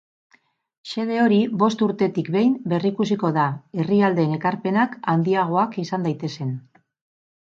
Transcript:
Xede hori bost urtetik behin berrikusiko da, herrialdeen ekarpenak handiagoak izan daitezen.